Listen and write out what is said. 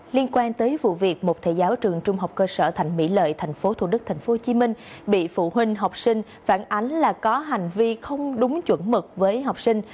liên quan tới vụ việc một thầy giáo trường trung học cơ sở thạnh mỹ lợi tp thủ đức tp hcm bị phụ huynh học sinh phản ánh là có hành vi không đúng chuẩn mực với học sinh